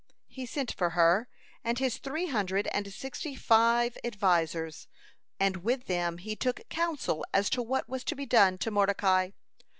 He sent for her and his three hundred and sixty five advisers, and with them he took counsel as to what was to be done to Mordecai.